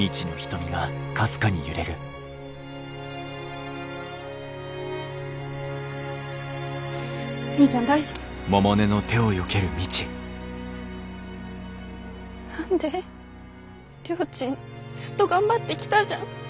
りょーちんずっと頑張ってきたじゃん。